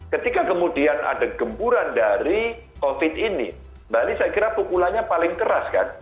ketika kemudian ada gempuran dari covid ini bali saya kira pukulannya paling keras kan